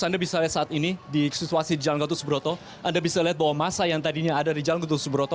anda bisa lihat saat ini di situasi jalan gatot subroto anda bisa lihat bahwa masa yang tadinya ada di jalan gatot subroto